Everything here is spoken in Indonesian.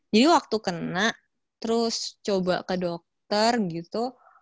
jadi waktu kena terus coba ke dokter gitu